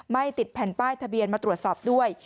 ไม่ติดแผ่นป้ายทะเบียนมาตรวจสอบด้วย